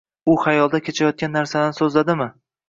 U xayolda kechayotgan narsalarni so’zladimi?